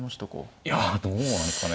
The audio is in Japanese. いやどうなんですかね。